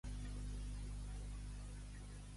Es creu que va ser una fortalesa del Marquesat d'Aguilar.